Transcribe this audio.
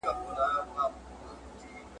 د لوړتابه فطري تصور بې ځایه سو